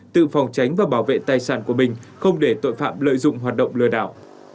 tự phòng tránh và bảo vệ tài sản của mình không để tội phạm lợi dụng hoạt động lừa đảo